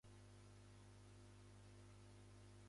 訪れたい場所